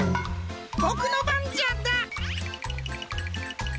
ボクのばんじゃだ。